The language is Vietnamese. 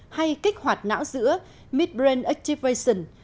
hay kích hoạt não giữa midbrain activation